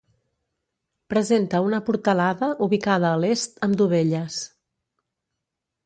Presenta una portalada ubicada a l'est amb dovelles.